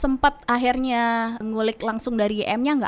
sempat akhirnya ngulik langsung dari ym nya enggak